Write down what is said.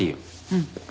うん。